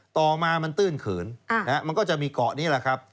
ต่อมามันตื้นเขินมันก็จะมีเกาะนี้แหละครับ